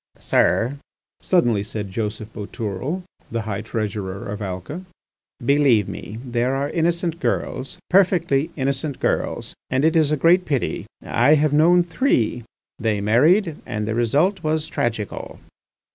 ..." "Sir," suddenly said Joseph Boutourlé, the High Treasurer of Alca, "believe me, there are innocent girls, perfectly innocent girls, and it is a great pity. I have known three. They married, and the result was tragical."